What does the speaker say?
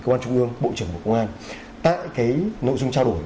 công an trung ương bộ trưởng bộ công an tại cái nội dung trao đổi